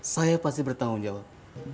saya pasti bertanggung jawab